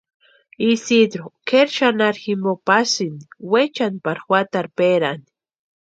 Isidru kʼeri xanharu jimpo pasïnti weechani pari juatarhu péraani.